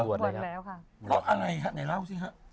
บวชแล้วค่ะแล้วอะไรละเอาสิฮะ